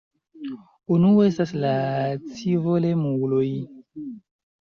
Unue estas la scivolemuloj.